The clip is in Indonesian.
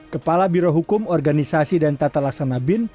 kepala biro hukum organisasi dan tata laksana bin